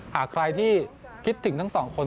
หากใครที่คิดถึงทั้งสองคน